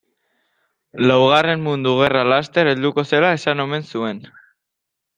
Laugarren mundu gerra laster helduko zela esan omen zuen.